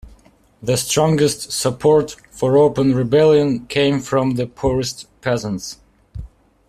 The strongest support for open rebellion came from the poorest peasants.